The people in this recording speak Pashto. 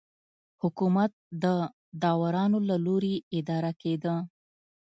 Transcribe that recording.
حکومت د داورانو له لوري اداره کېده.